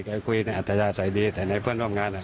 กันคุยได้อัธิษฐาใส่ดีแต่ในเพื่อนร่วมงานอ่ะ